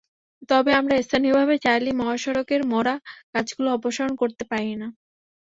তবে আমরা স্থানীয়ভাবে চাইলেই মহাসড়কের মরা গাছগুলো অপসারণ করতে পারি না।